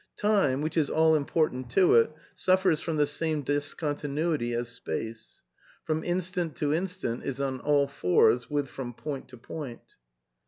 Time, which is all important to it, suffers from the same discontinuity as space; from instant to instant is on all fours with from point to point.